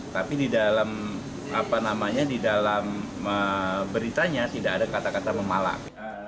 tapi di dalam beritanya tidak ada kata kata memalak